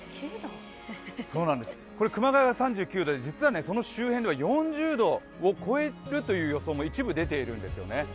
熊谷が３９度で、実はその周辺では４０度を超えるという予想も一部、出ているんですよね。